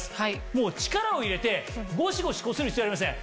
もう力を入れてゴシゴシこする必要はありません。